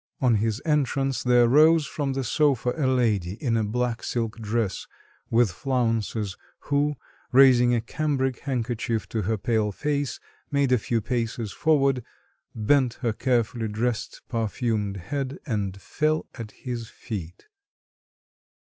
On his entrance there rose from the sofa a lady in a black silk dress with flounces, who, raising a cambric handkerchief to her pale face, made a few paces forward, bent her carefully dressed, perfumed head, and fell at his feet....